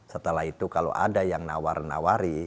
setelah itu kalau ada yang nawar nawari